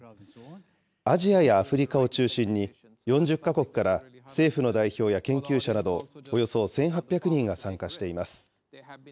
アジアやアフリカを中心に、４０か国から政府の代表や研究者などおよそ１８００人が参加しています。